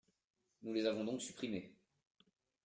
Nous les avons donc supprimés.